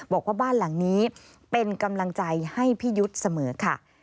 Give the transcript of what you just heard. บอกว่าบ้านหลังนี้เป็นกำลังใจให้พี่ยุทธ์เสมอค่ะ